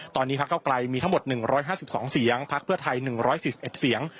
ตอนนี้พักเก้าไกลมีทั้งหมดหนึ่งร้อยห้าสิบสองเสียงพักเพื่อไทยหนึ่งร้อยสิบเอ็ดเสียง